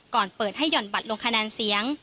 เปิดให้ห่อนบัตรลงคะแนนเสียง